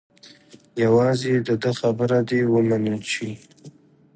یوازې د ده خبره دې ومنل شي.